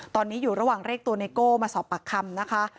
ตอนนี้อยู่ระหว่างเรียกตัวไนโก้มาสอบปากคำนะคะ